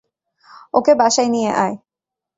ওকে বাসায় নিয়ে আয়।